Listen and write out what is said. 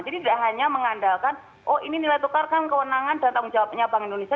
jadi tidak hanya mengandalkan oh ini nilai tukar kan kewenangan dan tanggung jawabnya bank indonesia